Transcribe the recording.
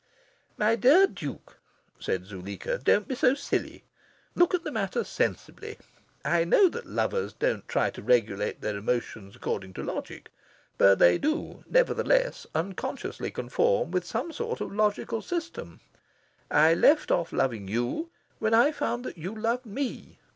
"My dear Duke," said Zuleika, "don't be so silly. Look at the matter sensibly. I know that lovers don't try to regulate their emotions according to logic; but they do, nevertheless, unconsciously conform with some sort of logical system. I left off loving you when I found that you loved me.